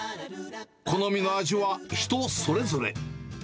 好みの味は人それぞれ。